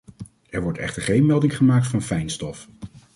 Er wordt echter geen melding gemaakt van fijn stof.